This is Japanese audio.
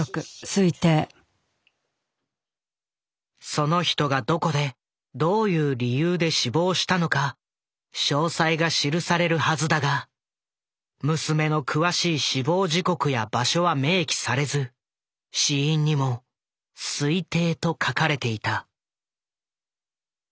その人がどこでどういう理由で死亡したのか詳細が記されるはずだが娘の詳しい死亡時刻や場所は明記されず死因にも「推定」と書かれていた。